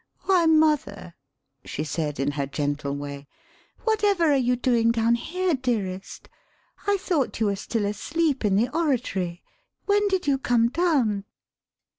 "Why, mother!" she said in her gentle way, "whatever are you doing down here, dearest? I thought you were still asleep in the oratory. When did you come down?"